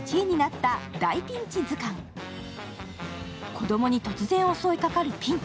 子供に突然襲いかかるピンチ。